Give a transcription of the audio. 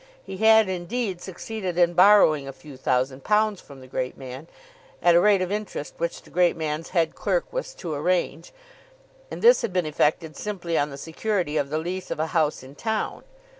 He had indeed succeeded in borrowing a few thousand pounds from the great man at a rate of interest which the great man's head clerk was to arrange, and this had been effected simply on the security of the lease of a house in town.